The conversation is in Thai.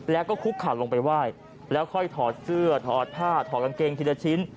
แล้วก็คุกเข่าลงไปไหว้แล้วค่อยถอดเสื้อถอดผ้าถอดกางเกงทีละชิ้น